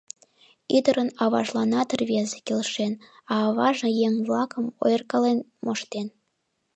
Ӱдырын аважланат рвезе келшен, а аваже еҥ-влакым ойыркален моштен.